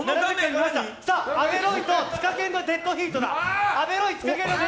阿部ロイとツカケンのデッドヒートだ！